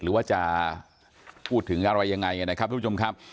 หรือว่าจะพูดถึงอะไรยังไงนะครับทุกผู้ชมครับ